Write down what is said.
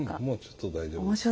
もうちょっと大丈夫。